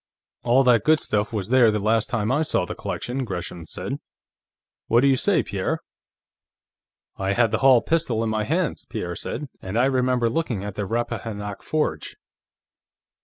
"All that good stuff was there the last time I saw the collection," Gresham said. "What do you say, Pierre?" "I had the Hall pistol in my hands," Pierre said. "And I remember looking at the Rappahannock Forge."